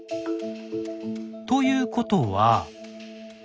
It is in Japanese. ということは。